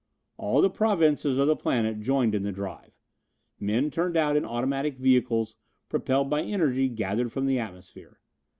All the provinces of the planet joined in the drive. Men turned out in automatic vehicles, propelled by energy gathered from the atmosphere.